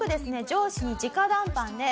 上司に直談判で